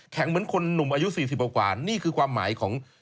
แข็งเหมือนคนหนุ่มอายุสี่สิบออกกว่านี่คือความหมายของ